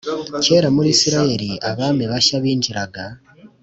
Kera muri isirayeli abami bashya binjiraga